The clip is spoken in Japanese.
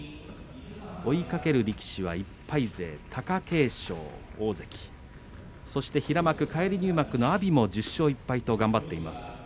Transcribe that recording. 追いかける力士は１敗勢、貴景勝大関、そして平幕返り入幕の阿炎も１０勝１敗と頑張っています。